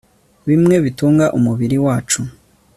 bimwe bitunga umubiri wacu